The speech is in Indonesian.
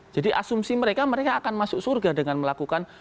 jadi asumsi mereka mereka akan masuk surga dengan melakukan serangan istihadah